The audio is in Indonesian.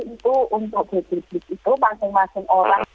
itu untuk individu itu masing masing orang